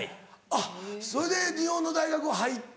あっそれで日本の大学入って。